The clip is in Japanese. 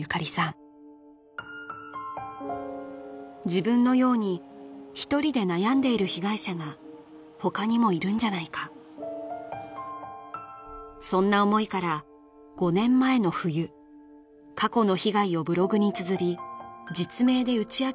自分のように１人で悩んでいる被害者が他にもいるんじゃないかそんな思いから５年前の冬過去の被害をブログにつづり実名で打ち明ける決心をした